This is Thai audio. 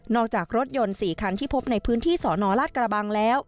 จากรถยนต์๔คันที่พบในพื้นที่สนราชกระบังแล้ว